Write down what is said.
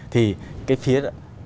thì cái phía